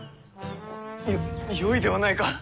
よよいではないか。